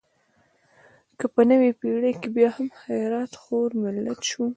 که په نوې پېړۍ کې بیا هم خیرات خور ملت شو.